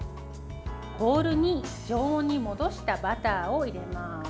ボウルに常温に戻したバターを入れます。